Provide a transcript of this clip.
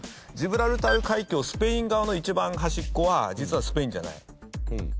ジブラルタル海峡スペイン側の一番端っこは実はスペインじゃない。